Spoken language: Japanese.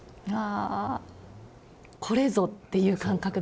あ「これぞ」っていう感覚ですか？